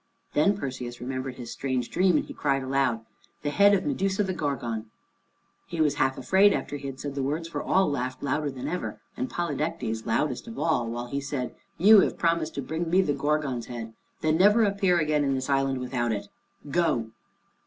Then Perseus remembered his strange dream, and he cried aloud, "The head of Medusa the Gorgon!" He was half afraid after he had said the words, for all laughed louder than ever, and Polydectes loudest of all, while he said: "You have promised to bring me the Gorgon's head. Then never appear again in this island without it. Go!"